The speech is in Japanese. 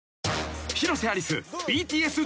［広瀬アリス。